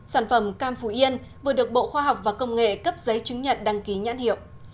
sản phẩm cam phú yên vừa được bộ khoa học và công nghệ cấp giấy chứng nhận đăng ký nhãn hiệu